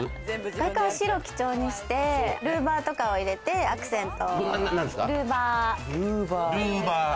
外観は白を基調にして、ルーバーとかを入れてアクセント。